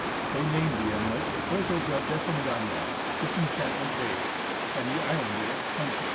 They named the inlet " Puerto del Desengano " (Disenchantment Bay), and the island in it " Haenke."